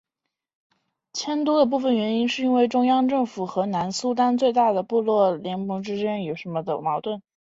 迁都的部分原因是中央政府与南苏丹最大部族巴里部族之间的矛盾。